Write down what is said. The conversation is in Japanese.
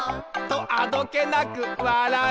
「とあどけなく笑う」